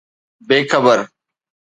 بي خبر